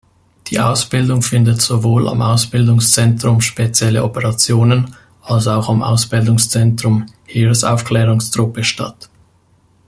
Die Ausbildung findet sowohl am Ausbildungszentrum Spezielle Operationen als auch am Ausbildungszentrum Heeresaufklärungstruppe statt.